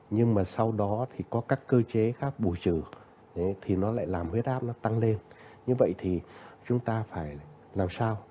nhưng mà sau đó thì có các cơ chế khác bù trừ thì nó lại làm huyết áp nó tăng lên như vậy thì chúng ta phải làm sao